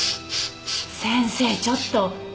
先生ちょっと！